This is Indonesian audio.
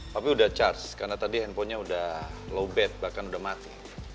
tapi udah charge karena tadi handphonenya udah low bad bahkan udah mati